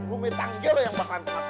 rumi tanggi lu yang bakal kita hajar